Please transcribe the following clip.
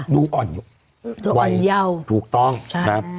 ดูอ่อนไวดูอ่อนเย่าถูกต้องนะครับ